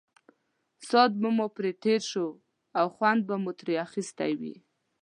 ساعت به مو پرې تېر شوی او خوند به مو ترې اخیستی وي.